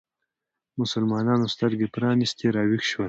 مسلمانانو سترګې پرانیستې راویښ شول